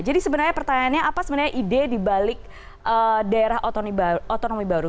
jadi sebenarnya pertanyaannya apa sebenarnya ide dibalik daerah otonomi baru